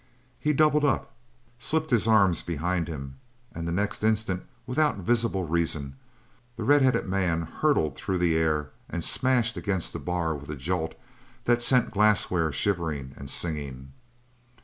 He doubled up, slipped his arms behind him, and the next instant, without visible reason, the red headed man hurtled through the air and smashed against the bar with a jolt that set the glassware shivering and singing.